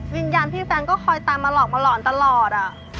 วิญญาณพี่แฟนก็คอยตามมาหลอกมาหลอนตลอด